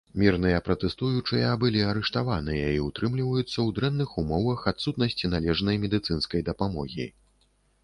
Мірныя пратэстуючыя былі арыштаваныя і ўтрымліваюцца ў дрэнных умовах адсутнасці належнай медыцынскай дапамогі.